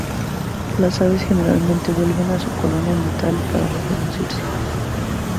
Las aves generalmente vuelven a su colonia natal para reproducirse.